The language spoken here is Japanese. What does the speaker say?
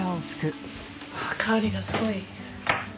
香りがすごい。